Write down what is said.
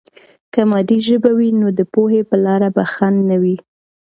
که مادي ژبه وي، نو د پوهې په لاره به خنډ نه وي.